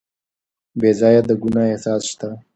بې ځایه د ګناه احساس شته.